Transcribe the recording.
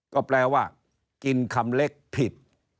ก็แปลว่ากินคำเล็กผิด